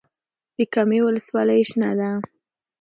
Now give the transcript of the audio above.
د کامې ولسوالۍ شنه ده